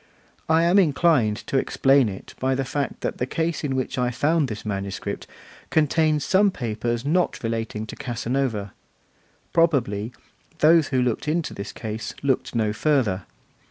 I am inclined to explain it by the fact that the case in which I found this manuscript contains some papers not relating to Casanova. Probably, those who looked into this case looked no further.